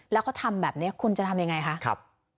แล้วเขาทำแบบนี้คุณจะทำยังไงคะ